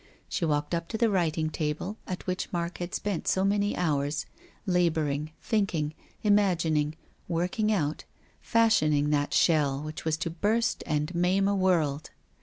She walked up to the writing table, at which Mark had spent so many hours, labouring, thinking, imagining, working out, fashioning that shell which was to burst and maim a world.